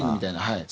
はい。